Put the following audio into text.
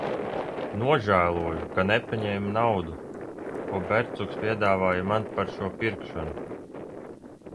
Nožēloju, ka nepaņēmu naudu, ko Bercuks piedāvāja man par šo pirkšanu.